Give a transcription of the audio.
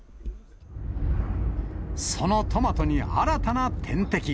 そのトマトに新たな天敵。